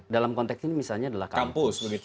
dalam konteks ini misalnya adalah kampus